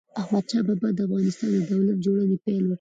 احمد شاه بابا د افغانستان د دولت جوړونې پيل وکړ.